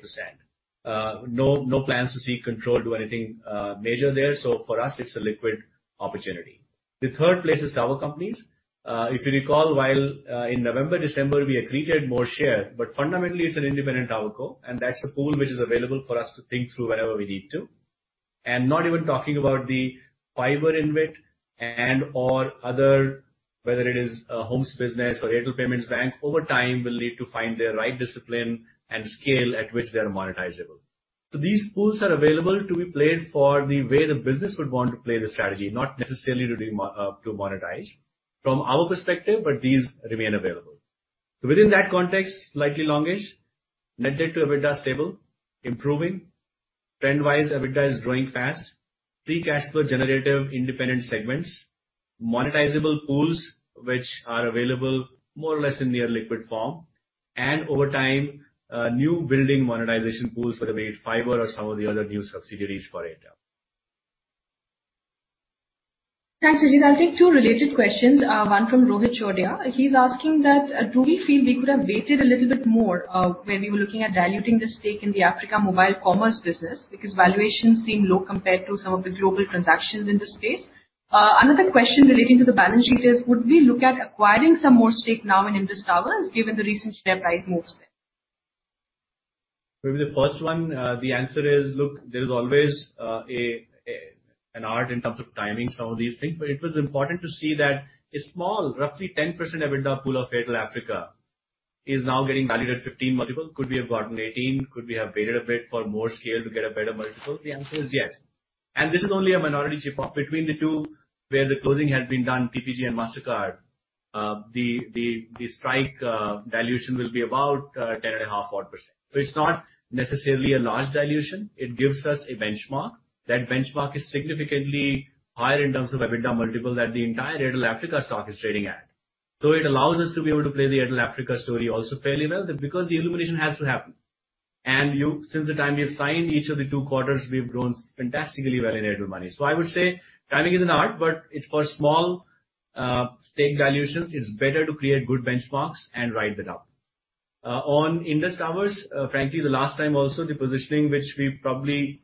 No plans to seek control or do anything major there. For us, it's a liquid opportunity. The third place is tower companies. If you recall, while in November, December, we accreted more share, but fundamentally it's an independent tower co, and that's a pool which is available for us to think through wherever we need to. Not even talking about the fiber InvIT and/or other, whether it is homes business or Airtel Payments Bank, over time will need to find their right discipline and scale at which they are monetizable. These pools are available to be played for the way the business would want to play the strategy, not necessarily to monetize. From our perspective, these remain available. Within that context, slightly longish, net debt to EBITDA is stable, improving. Trend-wise, EBITDA is growing fast. Free cash flow generative independent segments. Monetizable pools, which are available more or less in near liquid form. Over time, new building monetization pools for the very fiber or some of the other new subsidiaries for Airtel. Thanks, Ajit. I'll take two related questions, one from Rohit Chordia. He's asking that, do we feel we could have waited a little bit more, when we were looking at diluting the stake in the Africa mobile commerce business? Valuations seem low compared to some of the global transactions in the space. Another question relating to the balance sheet is, would we look at acquiring some more stake now in Indus Towers, given the recent share price moves there? The answer is, there is always an art in terms of timing some of these things. It was important to see that a small, roughly 10% EBITDA pool of Airtel Africa is now getting valued at 15 multiple. Could we have gotten 18? Could we have waited a bit for more scale to get a better multiple? The answer is yes. This is only a minority chip-off between the two, where the closing has been done, TPG and Mastercard. The stake dilution will be about 10.5%. It is not necessarily a large dilution. It gives us a benchmark. That benchmark is significantly higher in terms of EBITDA multiple that the entire Airtel Africa stock is trading at. It allows us to be able to play the Airtel Africa story also fairly well, because the illumination has to happen. Since the time we have signed each of the two quarters, we've grown fantastically well in Airtel Money. I would say timing is an art, but it's for small stake valuations, it's better to create good benchmarks and ride that up. On Indus Towers, frankly, the last time also, the positioning which we probably,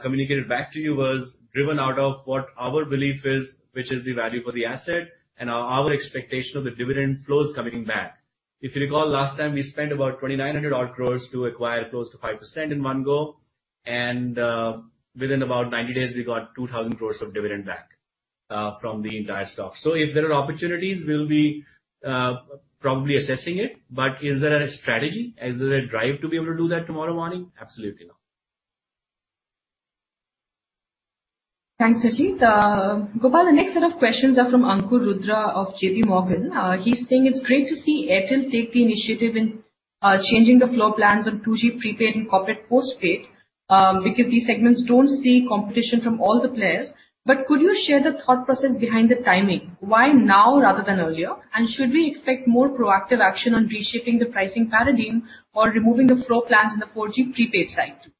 communicated back to you was driven out of what our belief is, which is the value for the asset and our expectation of the dividend flows coming back. If you recall, last time we spent about 2,900 odd crores to acquire close to 5% in one go, and within about 90 days, we got 2,000 crores of dividend back from the entire stock. If there are opportunities, we'll be probably assessing it, but is there a strategy, is there a drive to be able to do that tomorrow morning? Absolutely not. Thanks, Ajit. Gopal, the next set of questions are from Ankur Rudra of J.P. Morgan. He's saying it's great to see Airtel take the initiative in changing the floor plans on 2G prepaid and corporate postpaid, because these segments don't see competition from all the players. Could you share the thought process behind the timing? Why now rather than earlier? Should we expect more proactive action on reshaping the pricing paradigm or removing the floor plans in the 4G prepaid side too?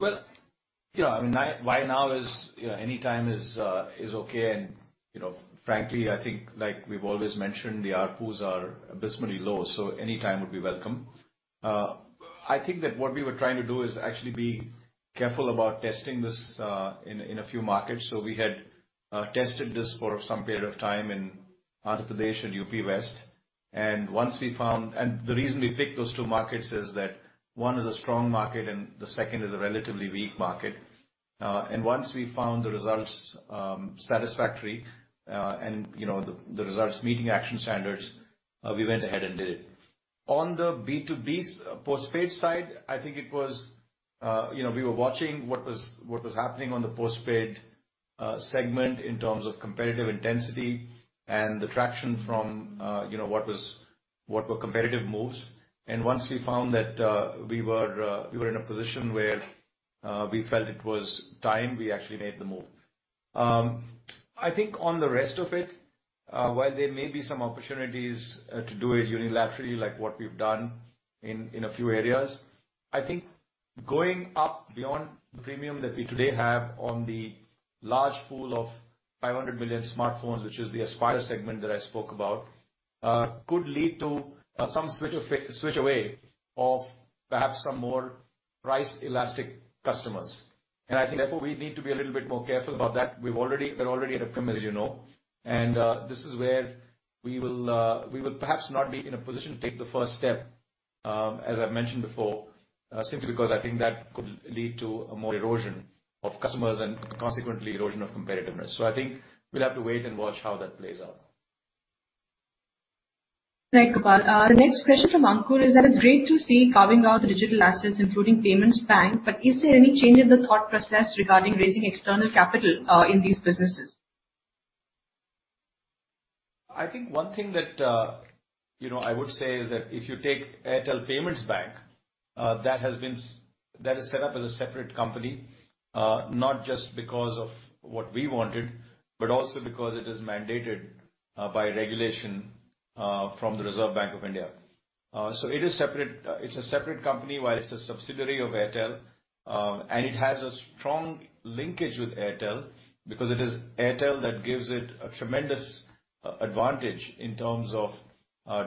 Well, why now is anytime is okay. Frankly, I think like we've always mentioned, the ARPUs are abysmally low, so any time would be welcome. I think that what we were trying to do is actually be careful about testing this in a few markets. We had tested this for some period of time in Andhra Pradesh and UP West. The reason we picked those two markets is that one is a strong market and the second is a relatively weak market. Once we found the results satisfactory, and the results meeting action standards, we went ahead and did it. On the B2B postpaid side, I think we were watching what was happening on the postpaid segment in terms of competitive intensity and the traction from what were competitive moves. Once we found that we were in a position where we felt it was time, we actually made the move. On the rest of it, while there may be some opportunities to do it unilaterally, like what we've done in a few areas, going up beyond the premium that we today have on the large pool of 500 million smartphones, which is the Aspirers segment that I spoke about, could lead to some switch away of perhaps some more price elastic customers. Therefore, we need to be a little bit more careful about that. We're already at a premium, as you know, and this is where we will perhaps not be in a position to take the first step, as I've mentioned before, simply because that could lead to a more erosion of customers and consequently erosion of competitiveness. I think we'll have to wait and watch how that plays out. Right, Gopal. The next question from Ankur is that it's great to see carving out digital assets, including Payments Bank. Is there any change in the thought process regarding raising external capital in these businesses? I think one thing that I would say is that if you take Airtel Payments Bank, that is set up as a separate company, not just because of what we wanted, but also because it is mandated by regulation from the Reserve Bank of India. It's a separate company while it's a subsidiary of Airtel, and it has a strong linkage with Airtel because it is Airtel that gives it a tremendous advantage in terms of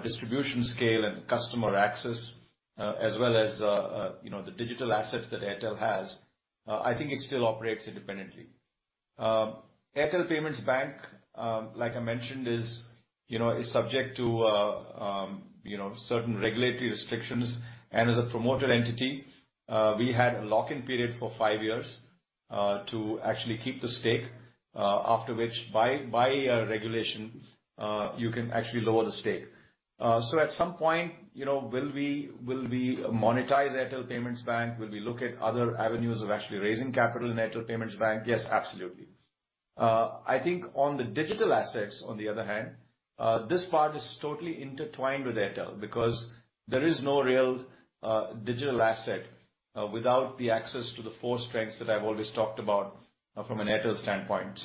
distribution scale and customer access, as well as the digital assets that Airtel has. I think it still operates independently. Airtel Payments Bank, like I mentioned, is subject to certain regulatory restrictions, and as a promoter entity, we had a lock-in period for five years, to actually keep the stake, after which by regulation, you can actually lower the stake. At some point, will we monetize Airtel Payments Bank? Will we look at other avenues of actually raising capital in Airtel Payments Bank? Yes, absolutely. I think on the digital assets, on the other hand, this part is totally intertwined with Airtel because there is no real digital asset without the access to the four strengths that I've always talked about from an Airtel standpoint.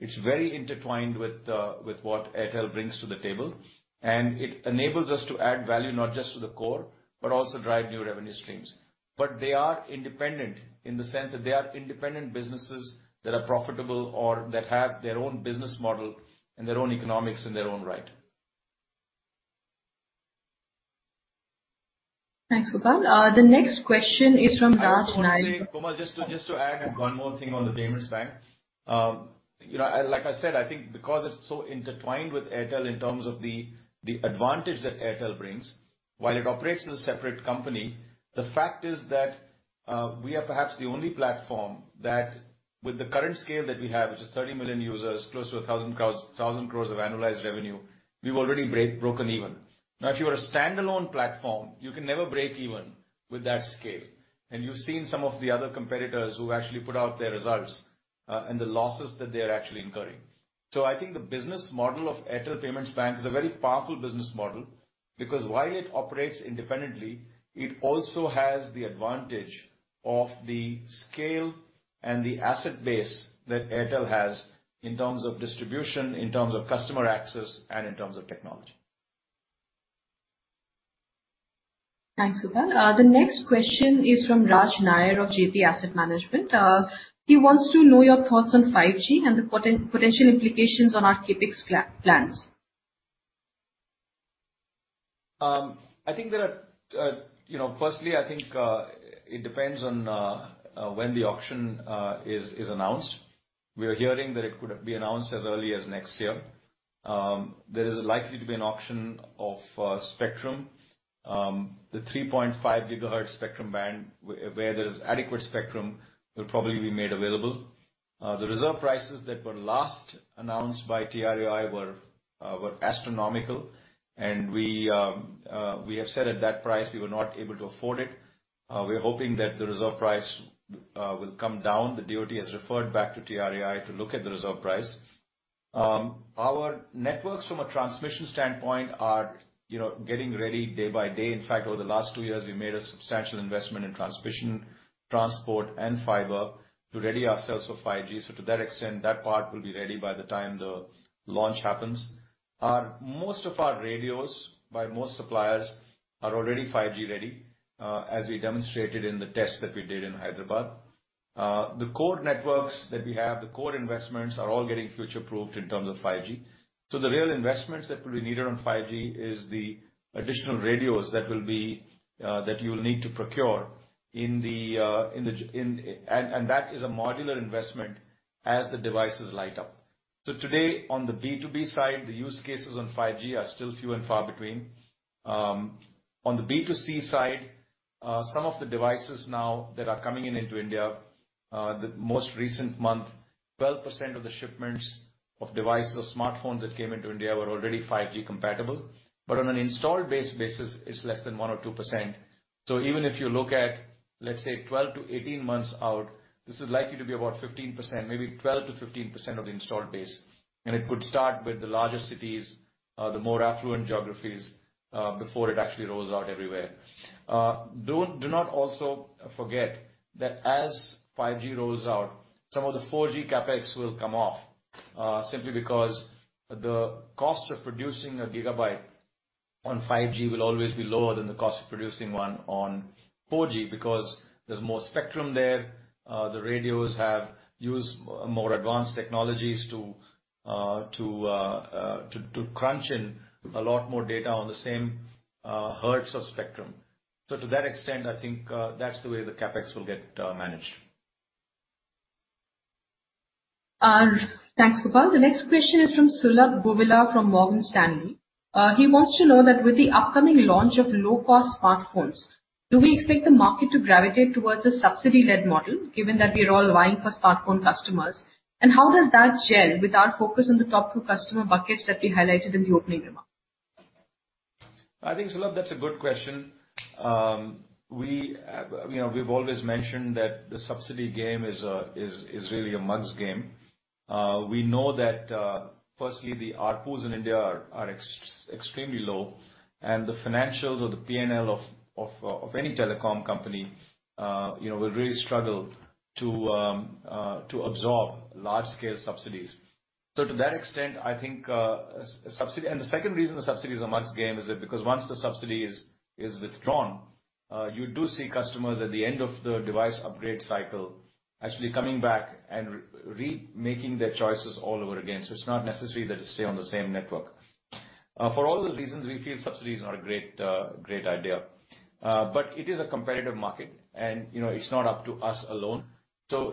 It's very intertwined with what Airtel brings to the table, and it enables us to add value not just to the core, but also drive new revenue streams. They are independent in the sense that they are independent businesses that are profitable or that have their own business model and their own economics in their own right. Thanks, Gopal. The next question is from Rajendra Nair. I would just say, Komal, just to add one more thing on the payments bank. Like I said, I think because it's so intertwined with Airtel in terms of the advantage that Airtel brings while it operates as a separate company, the fact is that, we are perhaps the only platform that with the current scale that we have, which is 30 million users, close to 1,000 crores of annualized revenue, we've already broken even. Now, if you are a standalone platform, you can never break even with that scale. You've seen some of the other competitors who actually put out their results, and the losses that they are actually incurring. I think the business model of Airtel Payments Bank is a very powerful business model because while it operates independently, it also has the advantage of the scale and the asset base that Airtel has in terms of distribution, in terms of customer access, and in terms of technology. Thanks, Gopal. The next question is from Rajendra Nair of J.P. Morgan Asset Management. He wants to know your thoughts on 5G and the potential implications on our CapEx plans. Firstly, I think it depends on when the auction is announced. We are hearing that it could be announced as early as next year. There is likely to be an auction of spectrum. The 3.5 GHz spectrum band, where there is adequate spectrum, will probably be made available. The reserve prices that were last announced by TRAI were astronomical, and we have said at that price, we were not able to afford it. We're hoping that the reserve price will come down. The DOT has referred back to TRAI to look at the reserve price. Our networks from a transmission standpoint are getting ready day by day. In fact, over the last two years, we made a substantial investment in transmission, transport, and fiber to ready ourselves for 5G. To that extent, that part will be ready by the time the launch happens. Most of our radios by most suppliers are already 5G ready, as we demonstrated in the test that we did in Hyderabad. The core networks that we have, the core investments are all getting future proofed in terms of 5G. The real investments that will be needed on 5G is the additional radios that you'll need to procure, and that is a modular investment as the devices light up. Today, on the B2B side, the use cases on 5G are still few and far between. On the B2C side, some of the devices now that are coming in into India, the most recent month, 12% of the shipments of devices, smartphones that came into India were already 5G compatible. On an installed base basis, it's less than 1% or 2%. Even if you look at, let's say, 12 to 18 months out, this is likely to be about 15%, maybe 12% to 15% of the installed base. It could start with the larger cities, the more affluent geographies, before it actually rolls out everywhere. Do not also forget that as 5G rolls out, some of the 4G CapEx will come off, simply because the cost of producing a gigabyte on 5G will always be lower than the cost of producing one on 4G because there is more spectrum there. The radios have used more advanced technologies to crunch in a lot more data on the same hertz of spectrum. To that extent, I think, that is the way the CapEx will get managed. Thanks, Gopal. The next question is from Sulabh Govila from Morgan Stanley. He wants to know that with the upcoming launch of low-cost smartphones, do we expect the market to gravitate towards a subsidy-led model, given that we are all vying for smartphone customers? How does that gel with our focus on the top two customer buckets that we highlighted in the opening remarks? I think, Sulabh, that's a good question. We've always mentioned that the subsidy game is really a mug's game. We know that, firstly, the ARPUs in India are extremely low. The financials or the P&L of any telecom company will really struggle to absorb large scale subsidies. To that extent, I think, the second reason the subsidies are mug's game is that because once the subsidy is withdrawn, you do see customers at the end of the device upgrade cycle actually coming back and remaking their choices all over again. It's not necessary they stay on the same network. For all those reasons, we feel subsidies are not a great idea. It is a competitive market. It's not up to us alone.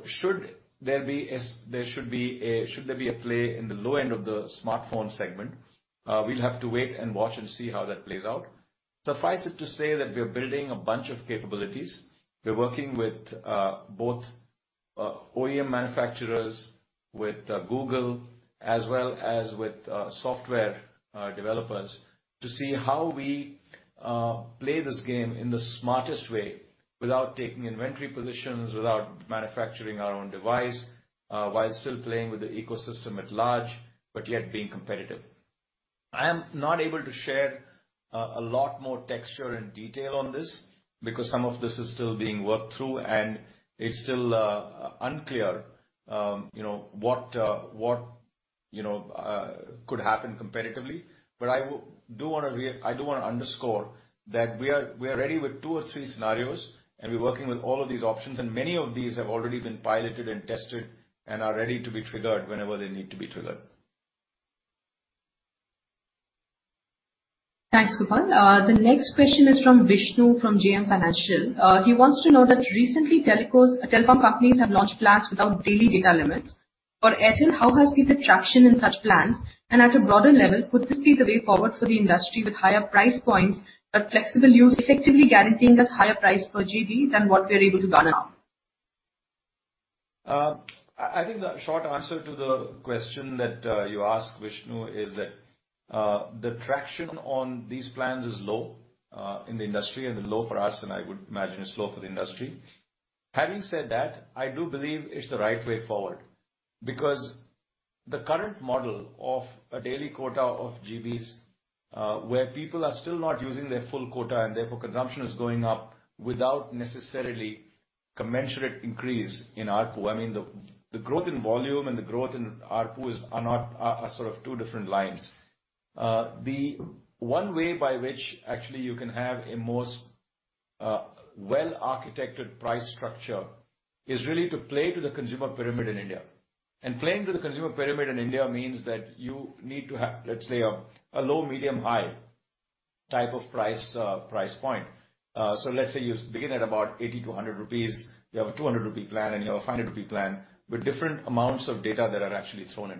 Should there be a play in the low end of the smartphone segment, we'll have to wait and watch and see how that plays out. Suffice it to say that we are building a bunch of capabilities. We're working with both OEM manufacturers, with Google, as well as with software developers to see how we play this game in the smartest way without taking inventory positions, without manufacturing our own device, while still playing with the ecosystem at large, but yet being competitive. I am not able to share a lot more texture and detail on this because some of this is still being worked through, and it's still unclear what could happen competitively. I do want to underscore that we are ready with two or three scenarios, and we're working with all of these options, and many of these have already been piloted and tested and are ready to be triggered whenever they need to be triggered. Thanks, Gopal. The next question is from Vishnu from JM Financial. He wants to know that recently, telecom companies have launched plans without daily data limits. For Airtel, how has been the traction in such plans? At a broader level, could this be the way forward for the industry with higher price points, but flexible use effectively guaranteeing us higher price per GB than what we're able to garner now? I think the short answer to the question that you asked, Vishnu, is that the traction on these plans is low in the industry and low for us, and I would imagine it's low for the industry. Having said that, I do believe it's the right way forward because the current model of a daily quota of GBs, where people are still not using their full quota and therefore consumption is going up without necessarily commensurate increase in ARPU. The growth in volume and the growth in ARPU are sort of two different lines. The one way by which actually you can have a most well-architectured price structure is really to play to the consumer pyramid in India. Playing to the consumer pyramid in India means that you need to have, let's say, a low, medium, high type of price point. Let's say you begin at about 80-100 rupees, you have an 200-rupee plan and you have an 500-rupee plan with different amounts of data that are actually thrown in.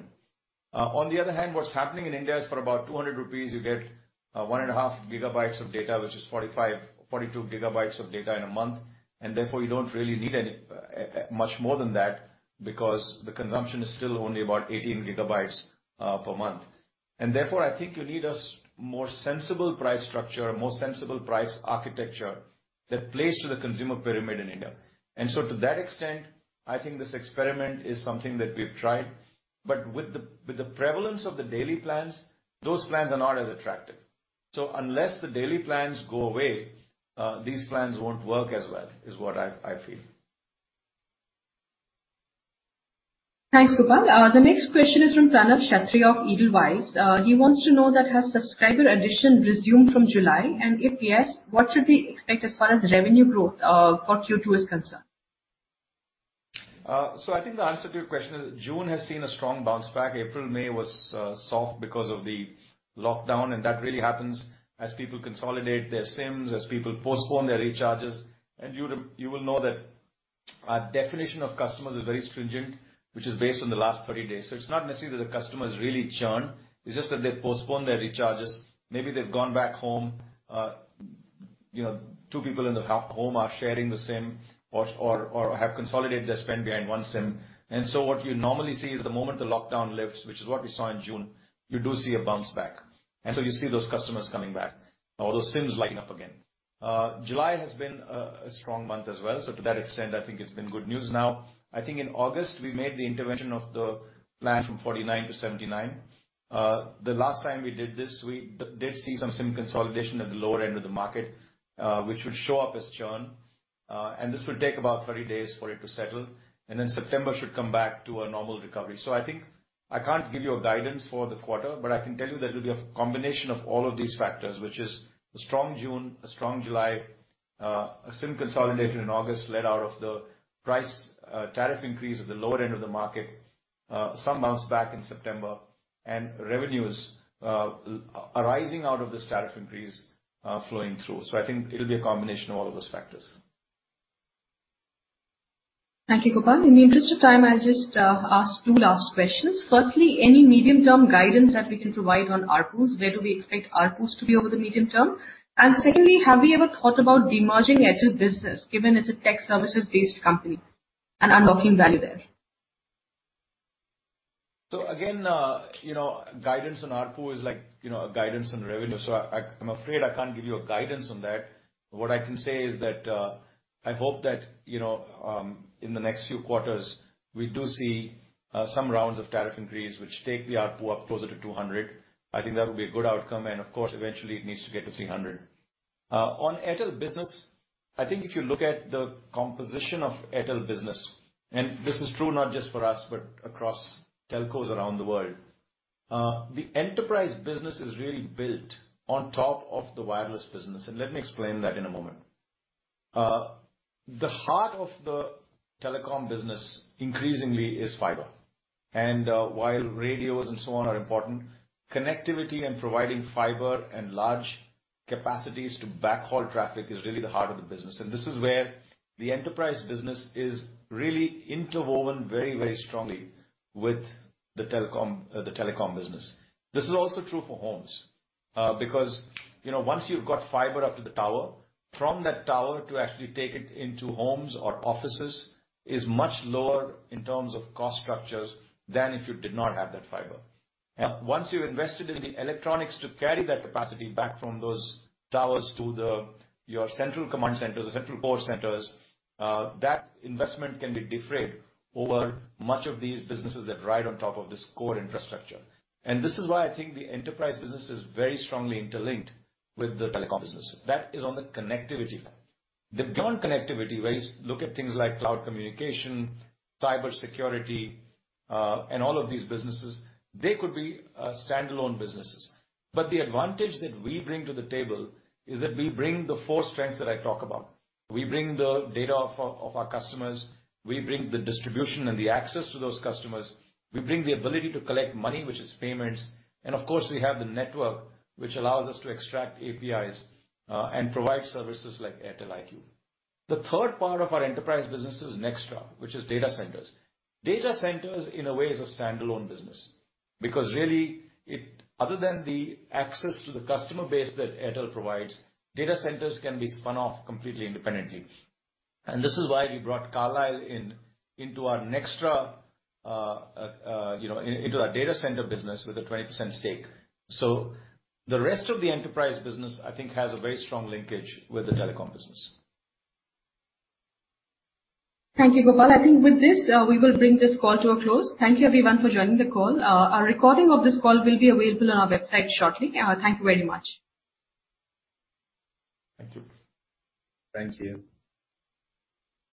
On the other hand, what's happening in India is for about 200 rupees, you get 1.5 gigabytes of data, which is 45, 42 gigabytes of data in a month, and therefore you don't really need much more than that because the consumption is still only about 18 gigabytes per month. Therefore, I think you need a more sensible price structure, a more sensible price architecture that plays to the consumer pyramid in India. To that extent, I think this experiment is something that we've tried, but with the prevalence of the daily plans, those plans are not as attractive. Unless the daily plans go away, these plans won't work as well, is what I feel. Thanks, Gopal. The next question is from Pranav Kshatriya of Edelweiss. He wants to know that has subscriber addition resumed from July? And if yes, what should we expect as far as revenue growth for Q2 is concerned? I think the answer to your question is June has seen a strong bounce back. April, May was soft because of the lockdown, and that really happens as people consolidate their SIMs, as people postpone their recharges. You will know that our definition of customers is very stringent, which is based on the last 30 days. It's not necessarily that the customers really churn, it's just that they postpone their recharges. Maybe they've gone back home, two people in the home are sharing the SIM or have consolidated their spend behind one SIM. What you normally see is the moment the lockdown lifts, which is what we saw in June, you do see a bounce back. You see those customers coming back, all those SIMs lighting up again. July has been a strong month as well, to that extent, I think it's been good news now. I think in August, we made the intervention of the plan from 49 to 79. The last time we did this, we did see some SIM consolidation at the lower end of the market, which would show up as churn. This would take about 30 days for it to settle, and then September should come back to a normal recovery. I think I can't give you a guidance for the quarter, but I can tell you that it'll be a combination of all of these factors, which is a strong June, a strong July, a SIM consolidation in August led out of the price tariff increase at the lower end of the market, some bounce back in September, and revenues arising out of this tariff increase flowing through. I think it'll be a combination of all of those factors. Thank you, Gopal. In the interest of time, I'll just ask two last questions. Firstly, any medium-term guidance that we can provide on ARPUs? Where do we expect ARPUs to be over the medium term? Secondly, have we ever thought about demerging Airtel Business, given it's a tech services-based company and unlocking value there? Again, guidance on ARPU is like a guidance on revenue. I'm afraid I can't give you a guidance on that. What I can say is that, I hope that, in the next few quarters, we do see some rounds of tariff increase, which take the ARPU up closer to 200. I think that would be a good outcome, and of course, eventually it needs to get to 300. On Airtel Business, I think if you look at the composition of Airtel Business, and this is true not just for us, but across telcos around the world. The enterprise business is really built on top of the wireless business, and let me explain that in a moment. The heart of the telecom business increasingly is fiber. While radios and so on are important, connectivity and providing fiber and large capacities to backhaul traffic is really the heart of the business. This is where the enterprise business is really interwoven very strongly with the telecom business. This is also true for homes. Because once you've got fiber up to the tower, from that tower to actually take it into homes or offices is much lower in terms of cost structures than if you did not have that fiber. Once you invested in the electronics to carry that capacity back from those towers to your central command centers or central core centers, that investment can be defrayed over much of these businesses that ride on top of this core infrastructure. This is why I think the enterprise business is very strongly interlinked with the telecom business. That is on the connectivity front. Beyond connectivity, where you look at things like cloud communication, cybersecurity, and all of these businesses, they could be standalone businesses. The advantage that we bring to the table is that we bring the four strengths that I talk about. We bring the data of our customers, we bring the distribution and the access to those customers, we bring the ability to collect money, which is payments, and of course, we have the network, which allows us to extract APIs, and provide services like Airtel IQ. The third part of our enterprise business is Nxtra, which is data centers. Data centers, in a way, is a standalone business. Really, other than the access to the customer base that Airtel provides, data centers can be spun off completely independently. This is why we brought Carlyle into our Nxtra, into our data center business with a 20% stake. The rest of the enterprise business, I think, has a very strong linkage with the telecom business. Thank you, Gopal. I think with this, we will bring this call to a close. Thank you everyone for joining the call. A recording of this call will be available on our website shortly. Thank you very much. Thank you.